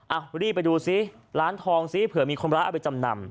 รีบไปดูซิร้านทองซิเผื่อมีคนร้ายเอาไปจำนำ